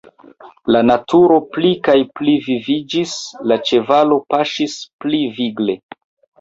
La naturo pli kaj pli viviĝis, la ĉevalo paŝis pli vigle.